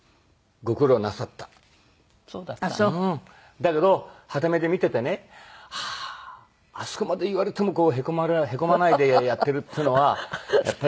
だけどはた目で見ててねはああそこまで言われてもへこまないでやってるっていうのはやっぱり。